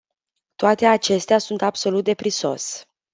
Toate acestea sunt absolut de prisos.